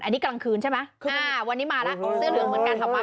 อันนี้กลางคืนใช่ไหมวันนี้มาแล้วเสื้อเหลืองเหมือนกันขับมา